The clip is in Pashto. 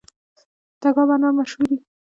تګاب انار مشهور دي؟